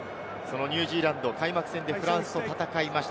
ニュージーランドは開幕戦でフランスと戦いました。